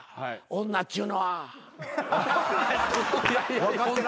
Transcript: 女っちゅうのは。